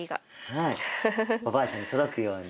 はいおばあちゃんに届くように。